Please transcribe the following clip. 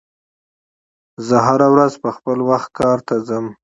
زه هره ورځ په خپل وخت کار ته ځم.